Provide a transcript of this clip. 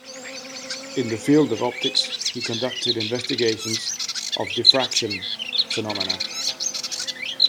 In the field of optics he conducted investigations of diffraction phenomena.